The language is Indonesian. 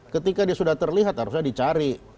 ketika dia sudah terlihat harusnya dicari